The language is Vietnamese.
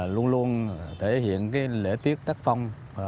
luôn luôn thể hiện lễ tiết tác phong